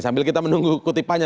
sambil kita menunggu kutipannya